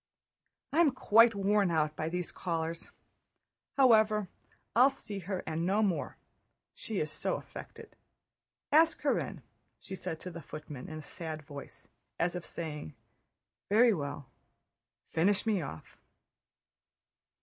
"I'm quite worn out by these callers. However, I'll see her and no more. She is so affected. Ask her in," she said to the footman in a sad voice, as if saying: "Very well, finish me off."